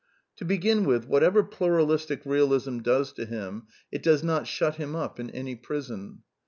To begin with, whatever Pluralistic Healism does to him, it does not shut him up in any prison.